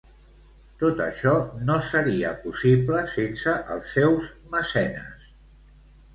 Tot això no seria possible sense els seus mecenes.